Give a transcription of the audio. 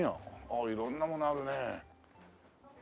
ああ色んなものあるね。